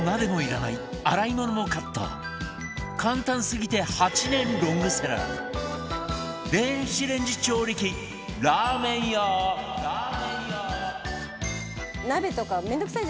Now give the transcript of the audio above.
簡単すぎて８年ロングセラー電子レンジ調理器ラーメン用面倒くさい。